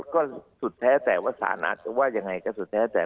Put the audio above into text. ก็สุดแท้แต่ว่าสารอาจจะว่ายังไงก็สุดแท้แต่